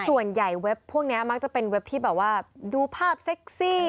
ส่วนใหญ่เว็บพวกนี้มากจะเป็นเว็บที่ดูภาพเซปซี่